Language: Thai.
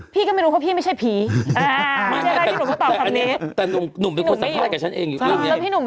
พี่ก็ไม่รู้เพราะพี่ไม่ใช่ผี